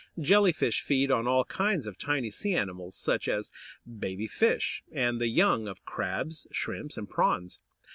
Jelly fish feed on all kinds of tiny sea animals, such as baby fish, and the young of crabs, shrimps, and prawns.